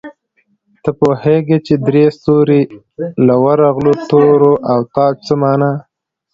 ته پوهېږې چې درې ستوري، له ورغلو تورو او تاج څه مانا؟